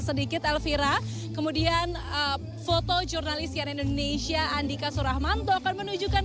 sedikit elvira kemudian foto jurnalis sian indonesia andika surahmanto akan menunjukkan